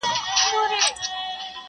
له مکتبه له مُلا يې ستنولم؛